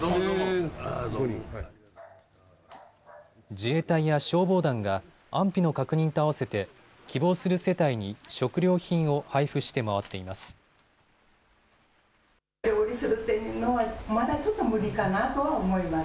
自衛隊や消防団が安否の確認と合わせて希望する世帯に食料品を配付して回っています。